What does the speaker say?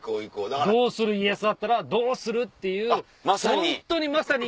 どうする家康だったらどうするっていうホントにまさに。